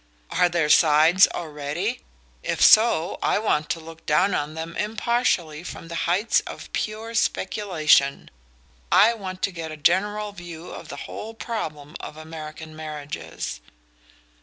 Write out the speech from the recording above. "Are there sides already? If so, I want to look down on them impartially from the heights of pure speculation. I want to get a general view of the whole problem of American marriages."